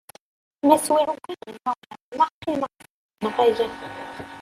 Ma swiɣ ugadeɣ imawlan, ma qqimeɣ fad yenɣa-yi.